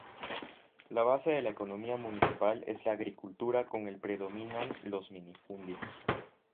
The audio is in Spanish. La base de la economía municipal es la agricultura con el predominan los minifundios.